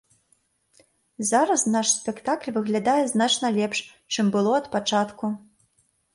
Зараз наш спектакль выглядае значна лепш, чым было ад пачатку.